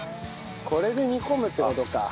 これで煮込むって事か。